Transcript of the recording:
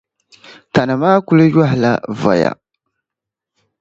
Tani maa kuli yohi la voya.